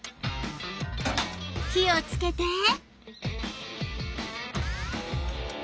火をつけて。